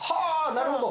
なるほど。